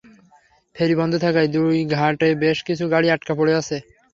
ফেরি বন্ধ থাকায় দুই ঘাটে বেশ কিছু গাড়ি আটকা পড়ে আছে।